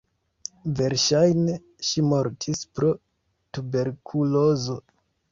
Verŝajne ŝi mortis pro tuberkulozo.